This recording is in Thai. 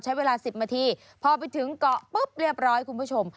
ใช้เวลา๑๐นาทีพอไปถึงเกาะปุ๊บเรียบร้อยคุณผู้ชม